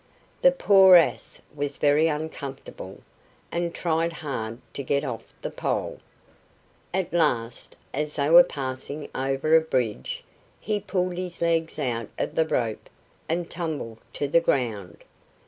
The poor ass was very uncomfortable, and tried hard to get off the pole. At last, as they were passing over a bridge, he pulled his legs out of the rope and tumbled to the ground.